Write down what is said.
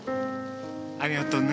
ありがとうね。